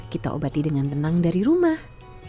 kita obati dengan tenang dari rumah